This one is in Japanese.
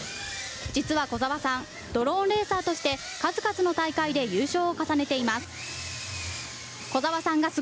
実は小澤さん、ドローンレーサーとして、数々の大会で優勝を重ねています。